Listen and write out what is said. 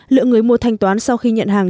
lượng người mua thanh toán sau khi nhận hàng